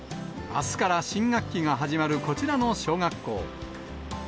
あすから新学期が始まるこちらの小学校。